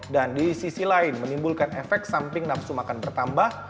dan di sisi lain menimbulkan efek samping nafsu makan bertambah